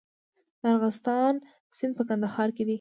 د ارغستان سیند په کندهار کې دی